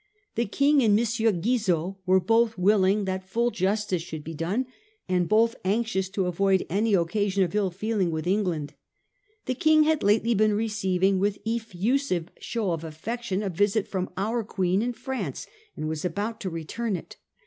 The King and M. Guizot were both willing that full justice should be done, and both anxious to avoid any occasion of ill feeling with England. The King had lately been receiving with effusive show of af fection a visit from our Queen in France, and was about to return it.